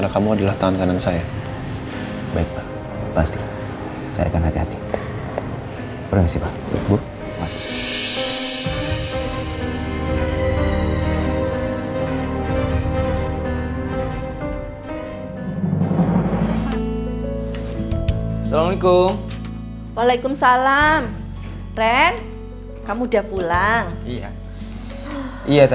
gak boleh sampai terluka